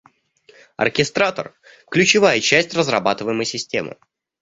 Оркестратор – ключевая часть разрабатываемой системы